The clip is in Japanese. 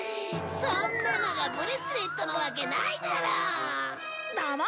そんなのがブレスレットのわけないだろ！